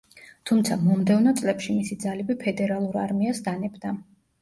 თუმცა, მომდევნო წლებში მისი ძალები ფედერალურ არმიას დანებდა.